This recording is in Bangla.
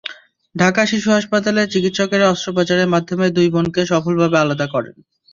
ঢাকা শিশু হাসপাতালের চিকিৎসকেরা অস্ত্রোপচারের মাধ্যমে দুই বোনকে সফলভাবে আলাদা করেন।